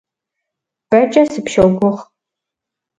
Бэкӏэ сыпщогугъ.